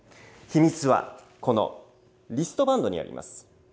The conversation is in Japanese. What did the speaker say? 秘密はこのリストバンドにあります。